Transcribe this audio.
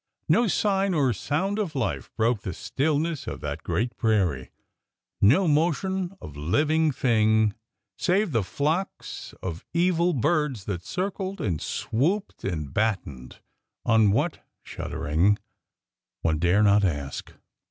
No sign or sound of life broke the stillness of that great prairie,— no motion of living thing save the flocks of evil birds that circled and swooped and battened— on what (shuddering), one dare not ask.